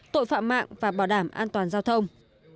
tội phạm mạng và bảo đảm an toàn giao thông